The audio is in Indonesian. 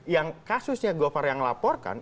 yang kasusnya govar yang laporkan